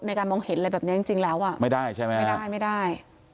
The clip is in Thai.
ในการมองเห็นอะไรแบบนี้จริงแล้วอ่ะไม่ได้ใช่ไหมไม่ได้ไม่ได้